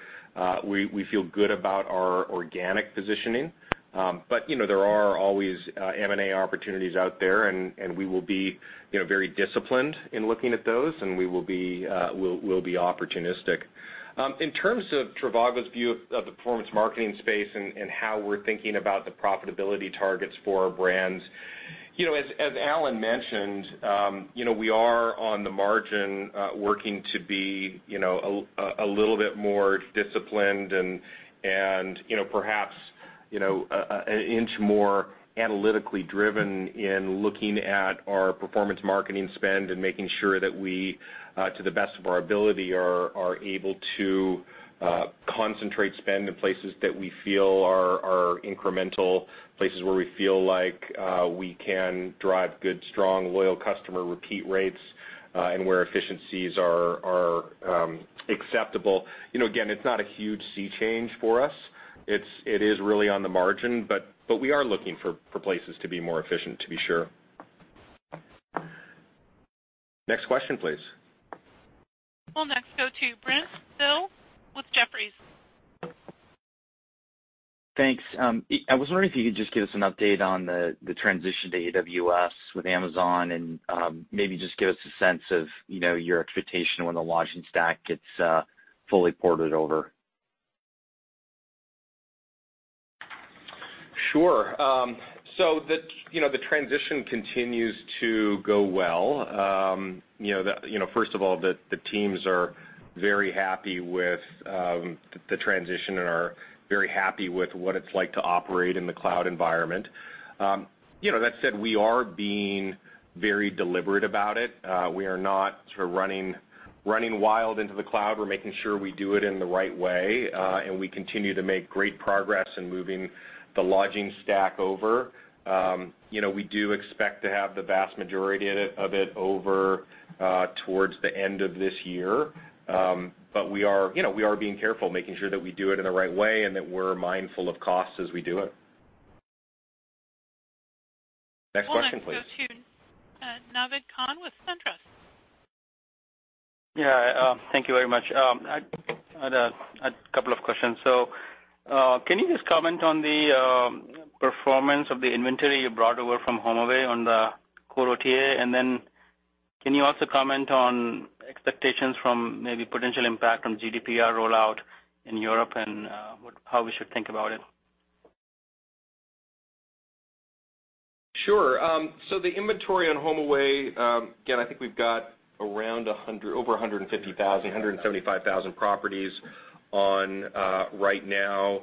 We feel good about our organic positioning. There are always M&A opportunities out there, and we will be very disciplined in looking at those, and we'll be opportunistic. In terms of Trivago's view of the performance marketing space and how we're thinking about the profitability targets for our brands, as Alan mentioned, we are on the margin working to be a little bit more disciplined and perhaps an inch more analytically driven in looking at our performance marketing spend and making sure that we, to the best of our ability, are able to concentrate spend in places that we feel are incremental, places where we feel like we can drive good, strong, loyal customer repeat rates, and where efficiencies are acceptable. Again, it's not a huge sea change for us. It is really on the margin. We are looking for places to be more efficient, to be sure. Next question, please. We'll next go to Brent Thill with Jefferies. Thanks. I was wondering if you could just give us an update on the transition to AWS with Amazon and maybe just give us a sense of your expectation when the lodging stack gets fully ported over. Sure. The transition continues to go well. First of all, the teams are very happy with the transition and are very happy with what it's like to operate in the cloud environment. That said, we are being very deliberate about it. We are not running wild into the cloud. We're making sure we do it in the right way, and we continue to make great progress in moving the lodging stack over. We do expect to have the vast majority of it over towards the end of this year. We are being careful, making sure that we do it in the right way and that we're mindful of costs as we do it. Next question, please. We'll next go to Naved Khan with SunTrust. Yeah. Thank you very much. I had a couple of questions. Can you just comment on the performance of the inventory you brought over from HomeAway on the core OTA? Can you also comment on expectations from maybe potential impact from GDPR rollout in Europe and how we should think about it? Sure. The inventory on HomeAway, again, I think we've got over 150,000, 175,000 properties on right now.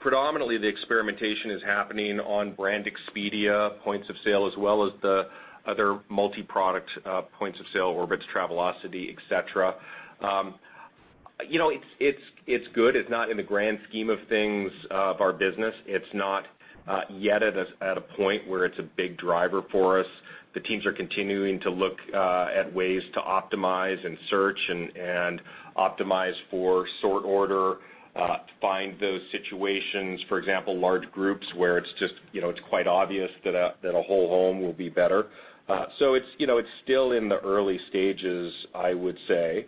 Predominantly, the experimentation is happening on Brand Expedia points of sale as well as the other multi-product points of sale, Orbitz, Travelocity, et cetera. It's good. It's not in the grand scheme of things of our business. It's not yet at a point where it's a big driver for us. The teams are continuing to look at ways to optimize and search and optimize for sort order to find those situations, for example, large groups where it's quite obvious that a whole home will be better. It's still in the early stages, I would say.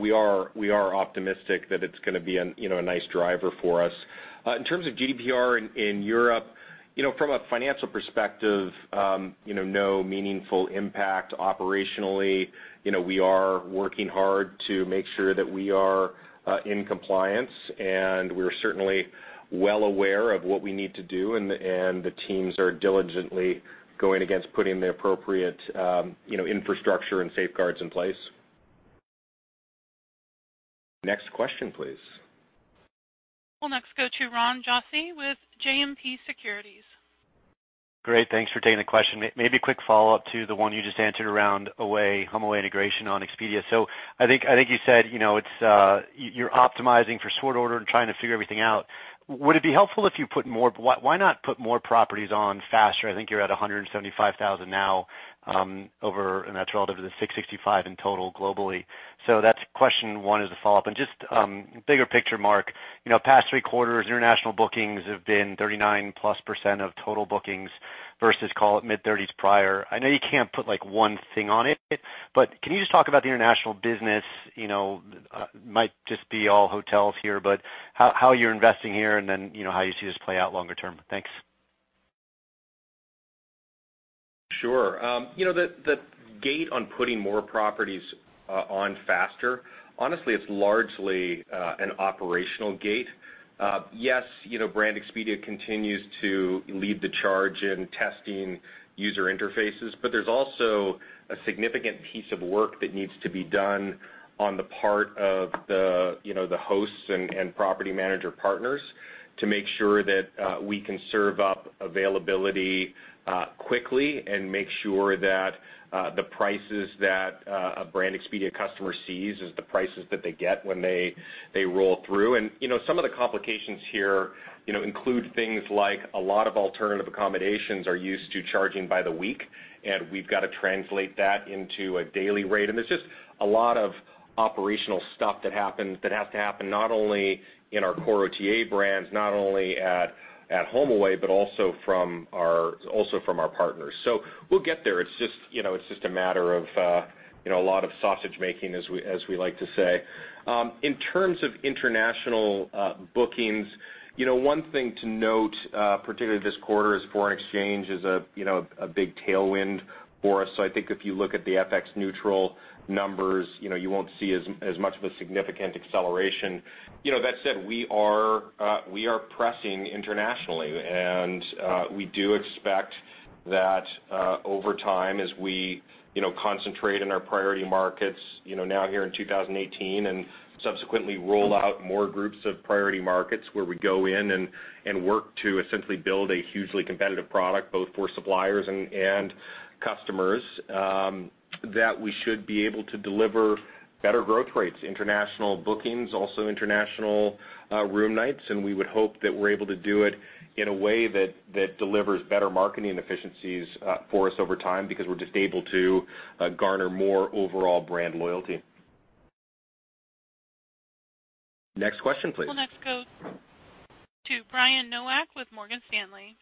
We are optimistic that it's going to be a nice driver for us. In terms of GDPR in Europe, from a financial perspective, no meaningful impact operationally. We are working hard to make sure that we are in compliance, and we are certainly well aware of what we need to do, and the teams are diligently going against putting the appropriate infrastructure and safeguards in place. Next question, please. We'll next go to Ron Josey with JMP Securities. Great. Thanks for taking the question. Maybe a quick follow-up to the one you just answered around HomeAway integration on Expedia. I think you said you're optimizing for sort order and trying to figure everything out. Why not put more properties on faster? I think you're at 175,000 now over, and that's relative to the 665 in total globally. That's question one as a follow-up. Just bigger picture, Mark, past three quarters, international bookings have been 39% plus of total bookings versus, call it, mid-30s prior. I know you can't put one thing on it, but can you just talk about the international business? Might just be all hotels here, but how you're investing here, and then how you see this play out longer term. Thanks. Sure. The gate on putting more properties on faster, honestly, it's largely an operational gate. Yes, Brand Expedia continues to lead the charge in testing user interfaces, but there's also a significant piece of work that needs to be done on the part of the hosts and property manager partners to make sure that we can serve up availability quickly and make sure that the prices that a Brand Expedia customer sees is the prices that they get when they roll through. Some of the complications here include things like a lot of alternative accommodations are used to charging by the week, and we've got to translate that into a daily rate. There's just a lot of operational stuff that has to happen, not only in our core OTA brands, not only at HomeAway, but also from our partners. We'll get there. It's just a matter of a lot of sausage-making, as we like to say. In terms of international bookings, one thing to note, particularly this quarter, is foreign exchange is a big tailwind for us. I think if you look at the FX neutral numbers, you won't see as much of a significant acceleration. That said, we are pressing internationally, we do expect that over time, as we concentrate on our priority markets now here in 2018 and subsequently roll out more groups of priority markets where we go in and work to essentially build a hugely competitive product, both for suppliers and customers, that we should be able to deliver better growth rates. International bookings, also international room nights, we would hope that we're able to do it in a way that delivers better marketing efficiencies for us over time because we're just able to garner more overall brand loyalty. Next question, please. We'll next go to Brian Nowak with Morgan Stanley.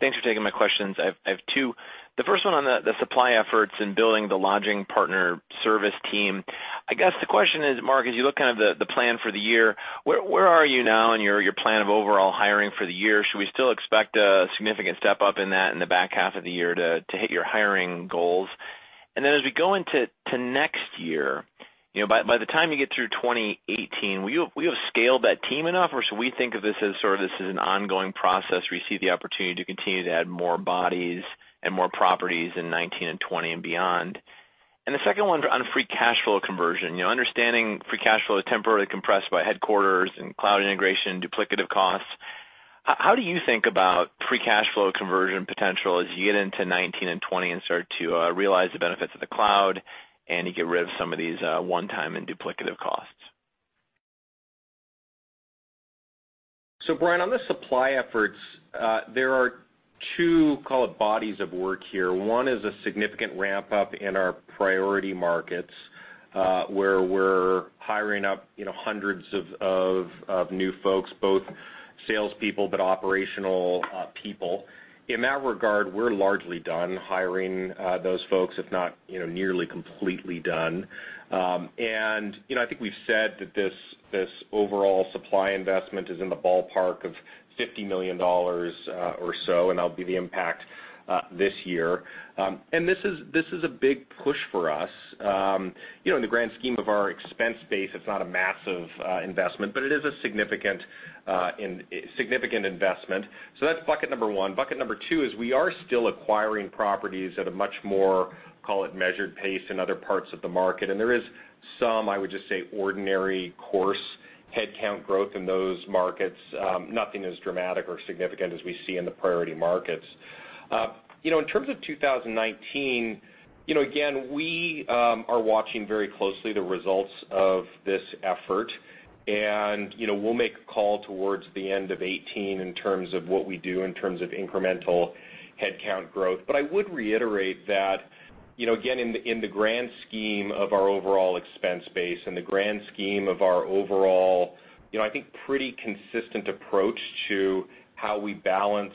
Thanks for taking my questions. I have two. The first one on the supply efforts in building the lodging partner service team. I guess the question is, Mark, as you look at the plan for the year, where are you now in your plan of overall hiring for the year? Should we still expect a significant step up in that in the back half of the year to hit your hiring goals? Then as we go into next year, by the time you get through 2018, will you have scaled that team enough, or should we think of this as sort of an ongoing process where you see the opportunity to continue to add more bodies and more properties in 2019 and 2020 and beyond? The second one on free cash flow conversion. Understanding free cash flow is temporarily compressed by headquarters and cloud integration, duplicative costs, how do you think about free cash flow conversion potential as you get into 2019 and 2020 and start to realize the benefits of the cloud and you get rid of some of these one-time and duplicative costs? Brian, on the supply efforts, there are two call it bodies of work here. One is a significant ramp-up in our priority markets, where we're hiring up hundreds of new folks, both salespeople, but operational people. In that regard, we're largely done hiring those folks, if not nearly completely done. I think we've said that this overall supply investment is in the ballpark of $50 million or so, and that'll be the impact this year. This is a big push for us. In the grand scheme of our expense base, it's not a massive investment, but it is a significant investment. That's bucket number one. Bucket number two is we are still acquiring properties at a much more, call it measured pace in other parts of the market, and there is some, I would just say, ordinary course headcount growth in those markets. Nothing as dramatic or significant as we see in the priority markets. In terms of 2019, again, we are watching very closely the results of this effort, and we'll make a call towards the end of 2018 in terms of what we do in terms of incremental headcount growth. I would reiterate that, again, in the grand scheme of our overall expense base and the grand scheme of our overall I think pretty consistent approach to how we balance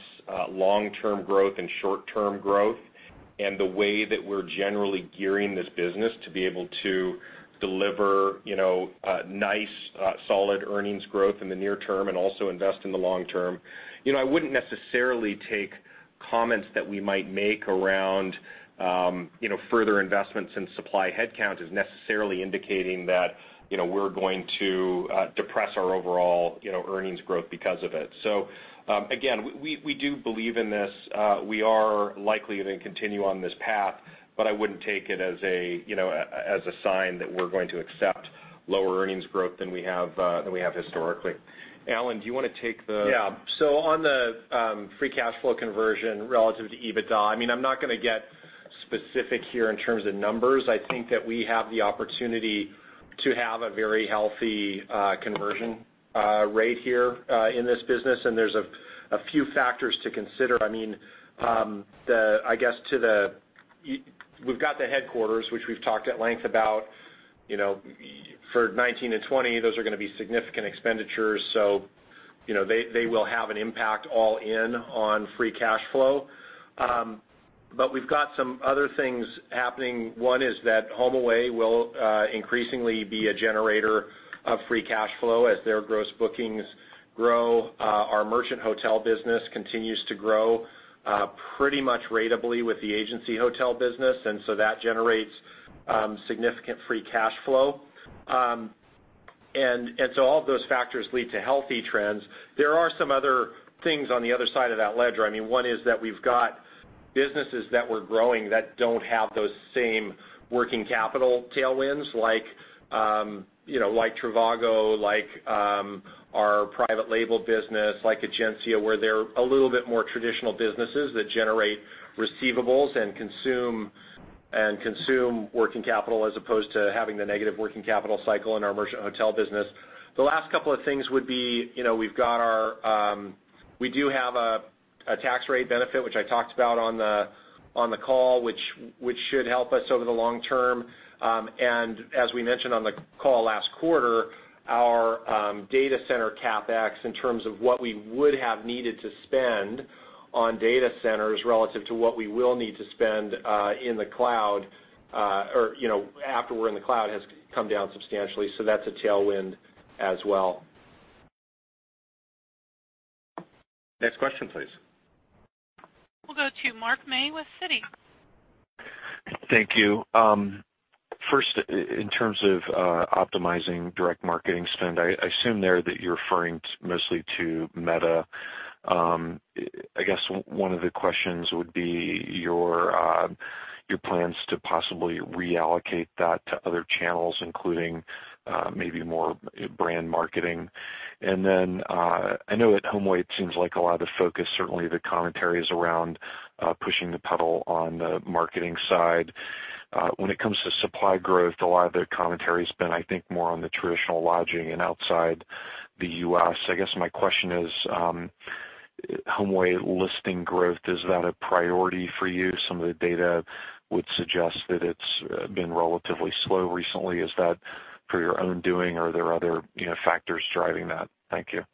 long-term growth and short-term growth and the way that we're generally gearing this business to be able to deliver nice, solid earnings growth in the near term and also invest in the long term. I wouldn't necessarily take comments that we might make around further investments in supply headcount as necessarily indicating that we're going to depress our overall earnings growth because of it. We do believe in this. We are likely going to continue on this path, but I wouldn't take it as a sign that we're going to accept lower earnings growth than we have historically. Alan, do you want to take the- Yeah. On the free cash flow conversion relative to EBITDA, I'm not going to get specific here in terms of numbers. I think that we have the opportunity to have a very healthy conversion rate here in this business, and there's a few factors to consider. We've got the headquarters, which we've talked at length about. For 2019 and 2020, those are going to be significant expenditures, so they will have an impact all in on free cash flow. We've got some other things happening. One is that HomeAway will increasingly be a generator of free cash flow as their gross bookings grow. Our merchant hotel business continues to grow pretty much ratably with the agency hotel business. That generates significant free cash flow. All of those factors lead to healthy trends. There are some other things on the other side of that ledger. One is that we've got businesses that we're growing that don't have those same working capital tailwinds like Trivago, like our private label business, like Egencia, where they're a little bit more traditional businesses that generate receivables and consume working capital as opposed to having the negative working capital cycle in our merchant hotel business. The last couple of things would be, we do have a tax rate benefit, which I talked about on the call, which should help us over the long term. As we mentioned on the call last quarter, our data center CapEx, in terms of what we would have needed to spend on data centers relative to what we will need to spend in the cloud, or after we're in the cloud, has come down substantially. That's a tailwind as well. Next question, please. We'll go to Mark May with Citi. Thank you. First, in terms of optimizing direct marketing spend, I assume there that you're referring mostly to meta. One of the questions would be your plans to possibly reallocate that to other channels, including maybe more brand marketing. Then I know at HomeAway, it seems like a lot of the focus, certainly the commentary is around pushing the pedal on the marketing side. When it comes to supply growth, a lot of the commentary has been, I think, more on the traditional lodging and outside the U.S. My question is, HomeAway listing growth, is that a priority for you? Some of the data would suggest that it's been relatively slow recently. Is that per your own doing or are there other factors driving that? Thank you.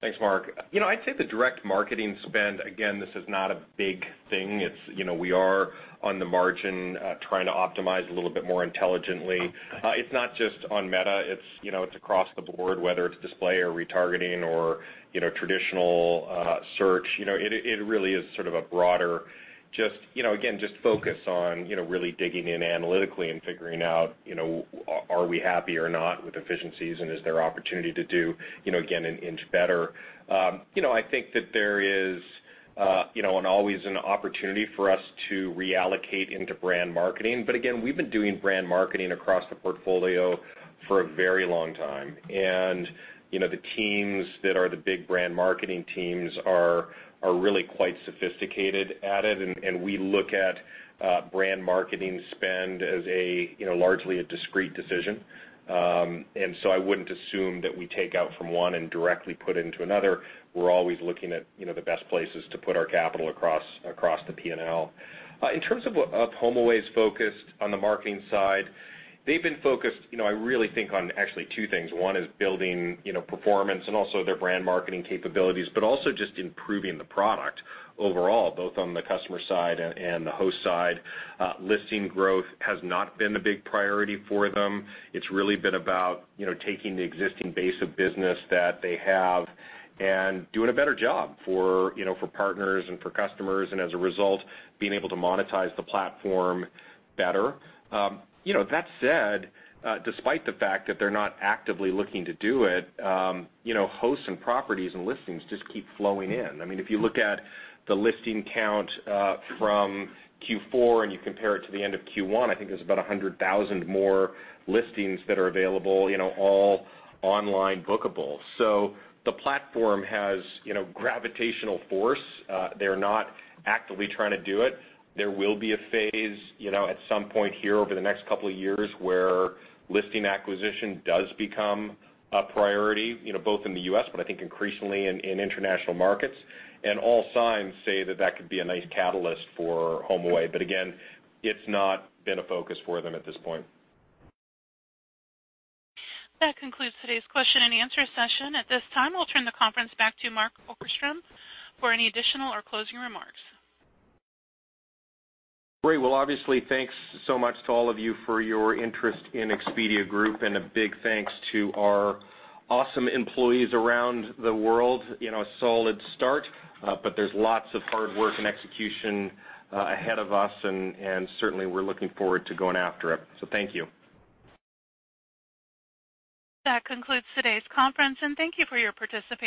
Thanks, Mark. I'd say the direct marketing spend, again, this is not a big thing. We are on the margin trying to optimize a little bit more intelligently. It's not just on meta, it's across the board, whether it's display or retargeting or traditional search. It really is sort of a broader, again, just focus on really digging in analytically and figuring out are we happy or not with efficiencies and is there opportunity to do, again, an inch better. I think that there is always an opportunity for us to reallocate into brand marketing. Again, we've been doing brand marketing across the portfolio for a very long time. The teams that are the big brand marketing teams are really quite sophisticated at it, and we look at brand marketing spend as largely a discrete decision. I wouldn't assume that we take out from one and directly put into another. We're always looking at the best places to put our capital across the P&L. In terms of HomeAway's focus on the marketing side, they've been focused, I really think on actually two things. One is building performance and also their brand marketing capabilities, but also just improving the product overall, both on the customer side and the host side. Listing growth has not been a big priority for them. It's really been about taking the existing base of business that they have and doing a better job for partners and for customers, and as a result, being able to monetize the platform better. That said, despite the fact that they're not actively looking to do it, hosts and properties and listings just keep flowing in. If you look at the listing count from Q4 and you compare it to the end of Q1, I think there's about 100,000 more listings that are available, all online bookable. The platform has gravitational force. They're not actively trying to do it. There will be a phase at some point here over the next couple of years where listing acquisition does become a priority, both in the U.S., but I think increasingly in international markets. All signs say that that could be a nice catalyst for HomeAway. Again, it's not been a focus for them at this point. That concludes today's question and answer session. At this time, we'll turn the conference back to Mark Okerstrom for any additional or closing remarks. Great. Well, obviously, thanks so much to all of you for your interest in Expedia Group, and a big thanks to our awesome employees around the world. A solid start, but there's lots of hard work and execution ahead of us, and certainly, we're looking forward to going after it. Thank you. That concludes today's conference, and thank you for your participation.